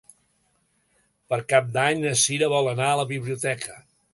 Per Cap d'Any na Sira vol anar a la biblioteca.